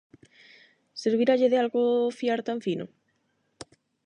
Serviralle de algo fiar tan fino?